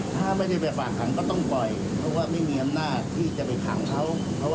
ถ้าไม่ได้ไปฝากขังก็ต้องปล่อยเพราะว่าไม่มีอำนาจที่จะไปขังเขา